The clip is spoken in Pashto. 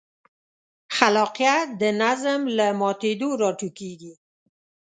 خلاقیت د نظم له ماتېدو راټوکېږي.